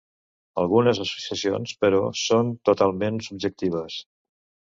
Algunes associacions, però, són totalment subjectives.